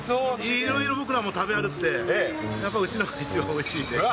いろいろ僕らも食べ歩いて、やっぱりうちのが一番おいしいんで。